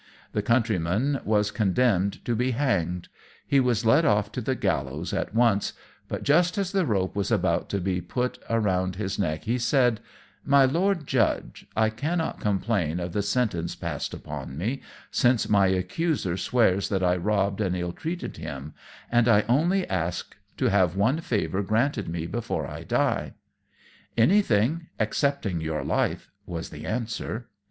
The Countryman was condemned to be hanged. He was led off to the gallows at once; but just as the rope was about to be put round his neck he said "My Lord Judge, I cannot complain of the sentence passed upon me, since my accuser swears that I robbed and ill treated him, and I only ask to have one favour granted me before I die." "Anything excepting your life," was the answer.